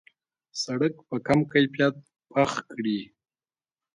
سړک په کم کیفیت پخ کړي.